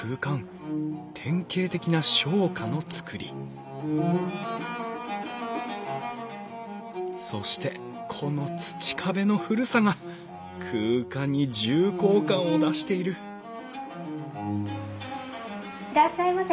典型的な商家の造りそしてこの土壁の古さが空間に重厚感を出しているいらっしゃいませ。